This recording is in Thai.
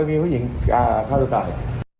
ห้องนี้เคยมีประวัติไหม